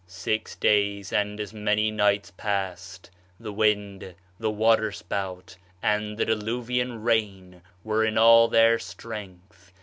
"'Six days and as many nights passed; the wind, the water spout, and the diluvian rain were in all their strength.